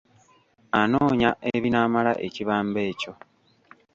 Anoonya ebinaamala ekibamba ekyo.